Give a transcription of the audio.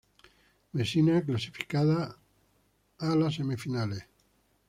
Messina clasificado a las semifinales.